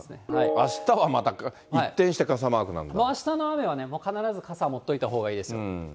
あしたはまた一転して傘マークなもうあしたの雨は必ず傘持っといたほうがいいですよ。